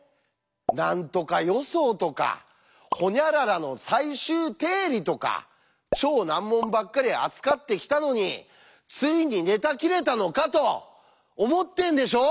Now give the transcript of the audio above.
「何とか予想とかほにゃららの最終定理とか超難問ばっかり扱ってきたのについにネタ切れたのか！」と思ってんでしょう？